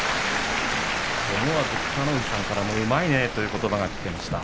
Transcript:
思わず北の富士さんからもうまいねということばが聞けました。